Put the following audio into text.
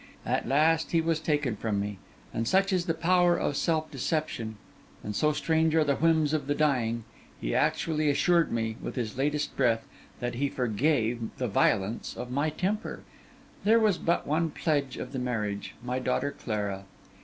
At last he was taken from me; and such is the power of self deception, and so strange are the whims of the dying, he actually assured me, with his latest breath, that he forgave the violence of my temper! There was but one pledge of the marriage, my daughter Clara.